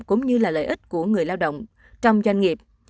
cũng như là lợi ích của người lao động trong doanh nghiệp